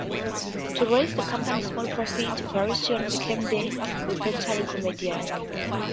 To raise the company's small profits, Viarisio became the repertory comedian.